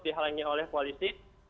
dihalangi oleh polisi